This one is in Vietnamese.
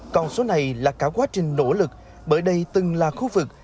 còn số này là cả quá trình nỗ lực bởi đây từng là khu vực